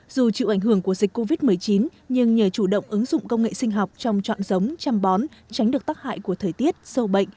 dù chịu ảnh hưởng của dịch covid một mươi chín nhưng nhờ chủ động ứng dụng công nghệ sinh học trong trọn giống chăm bón tránh được tác hại của thời tiết sâu bệnh